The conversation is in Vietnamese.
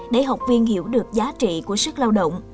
để học viên hiểu được giá trị của sức lao động